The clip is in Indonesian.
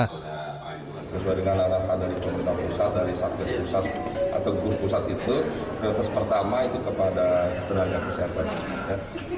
dari satgas pusat atau kursus pusat itu prioritas pertama itu kepada tenaga kesehatan